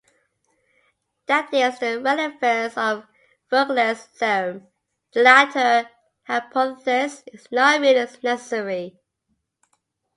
That is the relevance of Fuglede's theorem: The latter hypothesis is not really necessary.